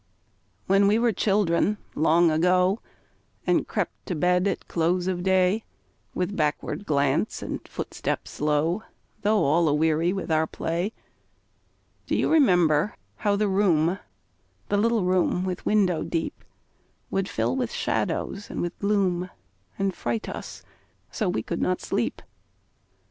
When we were children, long ago, And crept to bed at close of day, With backward glance and footstep slow, Though all aweary with our play, Do you remember how the room The little room with window deep Would fill with shadows and with gloom, And fright us so we could not sleep?